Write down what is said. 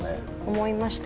思いました。